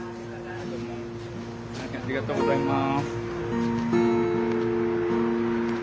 ありがとうございます。